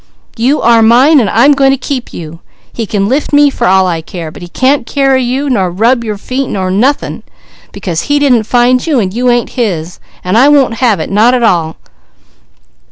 You are mine, and I'm going to keep you! He can lift me for all I care, but he can't carry you, nor rub your feet, nor nothing; because he didn't find you, and you ain't his; and I won't have it, not at all!